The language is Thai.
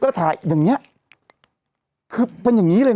ก็ถ่ายอย่างเงี้ยคือเป็นอย่างนี้เลย